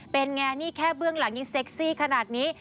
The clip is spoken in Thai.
เป็นไงนี่แค่เบื้องหลังยังเซ็กซี่ขนาดนี้